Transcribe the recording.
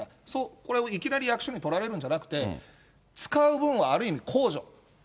これをいきなり役所に取られるんじゃなくて、使う分はある意味控除。